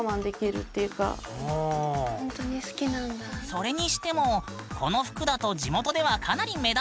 それにしてもこの服だと地元ではかなり目立たない？